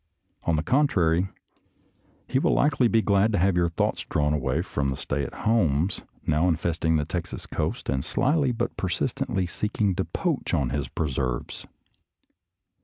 On the contrary, he will likely be glad to have your thoughts drawn away from the stay at homes now infesting the Texas coast and slyly but persistently seeking to poach on his preserves.